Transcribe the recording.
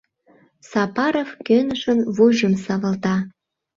Сапаров кӧнышын вуйжым савалта.